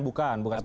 bukan seperti itu